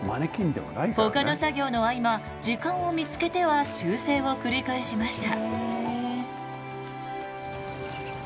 ほかの作業の合間時間を見つけては修正を繰り返しました。